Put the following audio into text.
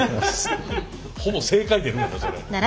ほぼ正解出るがなそれ。